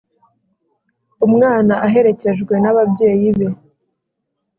Umwana aherekejwe n’ababyeyi be